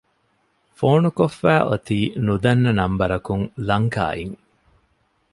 ފޯނުކޮށްފައި އޮތީ ނުދަންނަ ނަންބަރަކުން ލަންކާއިން